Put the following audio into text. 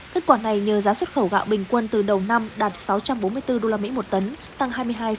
kết quả này nhờ giá xuất khẩu gạo bình quân từ đầu năm đạt sáu trăm bốn mươi bốn usd một tấn tăng hai mươi hai